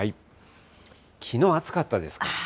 きのう暑かったですから。